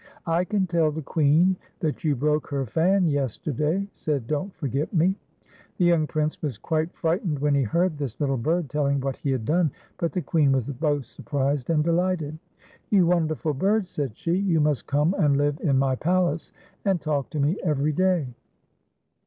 "'" I can tell the Queen that you broke her fan yesterday," said Don't Forget Me. The young Prince was quite frightened when he heard this little bird telling what he had done, but the Queen was both surprised and delighted. "You wonderful bird," said she, "you must come and live in my palace, and talk to me every day."